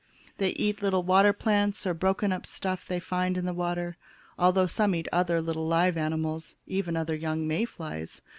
They eat little water plants or broken up stuff they find in the water, although some eat other little live animals, even other young May flies.